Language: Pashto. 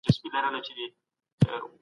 چي پر څلورو برخو ویشل سوې ده.